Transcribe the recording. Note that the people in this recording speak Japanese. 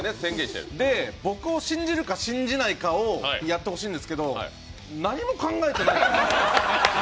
で、僕を信じるか信じないかをやってほしいんですけど何も考えてないんですよ。